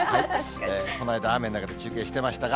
この間、雨の中で中継してましたが。